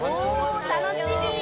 ◆楽しみ。